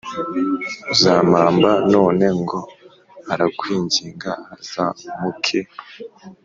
uzampamba None ngo arakwinginga azamuke